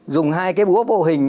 dùng hai cái búa bộ hình